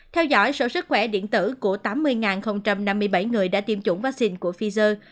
theo dõi sở sức khỏe điện tử của tám mươi năm mươi bảy người đã tiêm chủng vaccine của pfizer